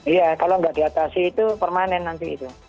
iya kalau nggak diatasi itu permanen nanti itu